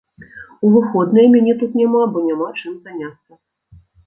У выходныя мяне тут няма, бо няма чым заняцца.